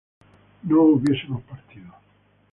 no hubiésemos partido